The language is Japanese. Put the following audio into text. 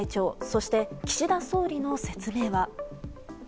そして、岸田総理の説明は。